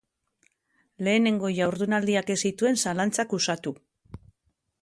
Lehenengo jardunaldiak ez zituen zalantzak uxatu.